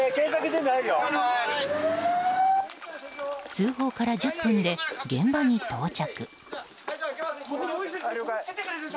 通報から１０分で、現場に到着。